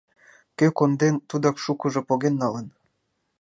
Кӧ конден, тудак шукыжо поген налын.